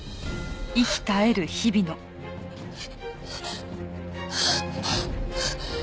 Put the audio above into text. あっ。